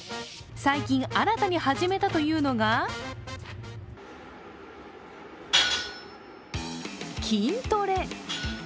最近新たに始めたというのが筋トレ。